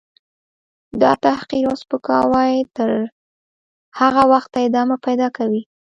. دا تحقیر او سپکاوی تر هغه وخته ادامه پیدا کوي.